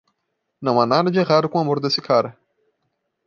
Não há nada de errado com o amor desse cara.